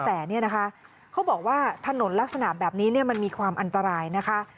แต่เนี่ยนะคะเขาบอกว่าถนนลักษณะแบบนี้มันมีความอันตรายนะคะ